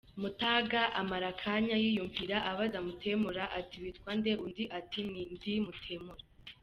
Mutaga amara akanya yiyumvira, abaza Mutemura ati “Witwa nde?” Undi ati “Ndi Mutemura.